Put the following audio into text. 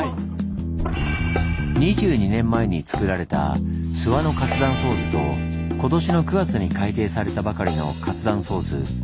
２２年前に作られた諏訪の活断層図と今年の９月に改訂されたばかりの活断層図。